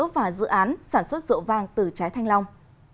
và dự án sản xuất rượu vàng từ trái thanh long